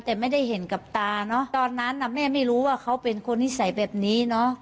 แต่ไม่ได้เห็นกับตาเนอะตอนนั้นน่ะแม่ไม่รู้ว่าเขาเป็นคนนิสัยแบบนี้เนอะ